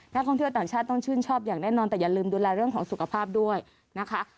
ท่องเที่ยวต่างชาติต้องชื่นชอบอย่างแน่นอนแต่อย่าลืมดูแลเรื่องของสุขภาพด้วยนะคะ